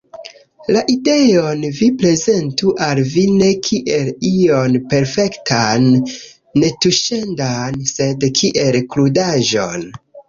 La ideon vi prezentu al vi ne kiel ion perfektan, netuŝendan, sed kiel krudaĵon.